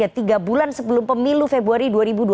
tiga bulan sebelum pemilu februari dua ribu dua puluh